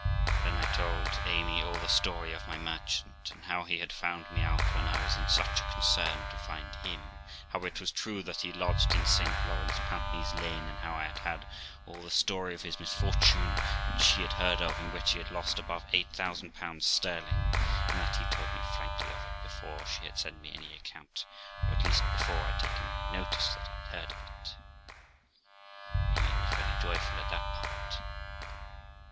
Then I told Amy all the story of my merchant, and how he had found me out when I was in such a concern to find him; how it was true that he lodged in St Laurence Pountney's Lane; and how I had had all the story of his misfortune, which she had heard of, in which he had lost above 8000 sterling ; and that he had told me frankly of it before she had sent me any account of it, or at least before I had taken any notice that I had heard of it. Amy was very joyful at that part.